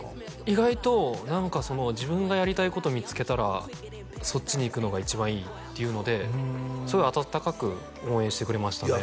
意外と何かその自分がやりたいこと見つけたらそっちに行くのが一番いいっていうのでそれは温かく応援してくれましたね